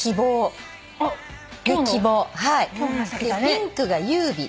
「ピンクが優美」